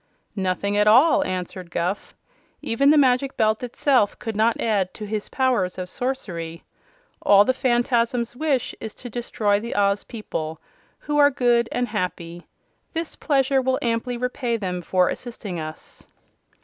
"Nothing at all," answered Guph. "Even the Magic Belt itself could not add to his powers of sorcery. All the Phanfasms wish is to destroy the Oz people, who are good and happy. This pleasure will amply repay them for assisting us."